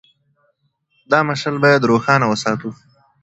دا مشعل باید روښانه وساتو.